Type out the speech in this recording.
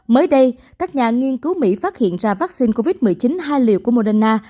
mới đây các nhà nghiên cứu mỹ phát hiện ra vaccine covid một mươi chín hai liều của moderna